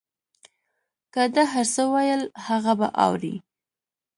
که ده هر څه ویل هغه به اورې.